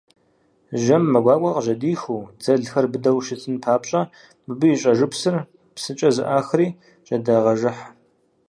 Жьэм мэ гуакӏуэ къыжьэдихыу, дзэлхэр быдэу щытын папщӏэ, мыбы и щӏэжыпсыр псыкӏэ зэӏахри жьэдагъэжыхь.